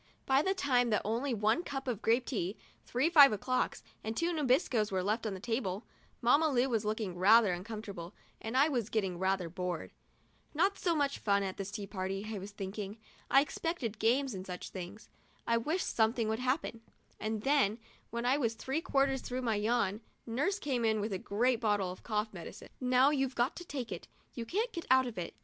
By the time that only one little cup of grape tea, three five o'clocks and two Nabiscos were left on the table, Mamma Lu was looking rather uncomfortable and I was getting rather bored. "Not so much fun in this tea party," I was thinking; " I expected games and such things. I wish something would happen;' and then, when I was three quarters through with my yawn, nurse came in with a great bottle of cough medicine. " Now you've got to take it; you can't get out of it.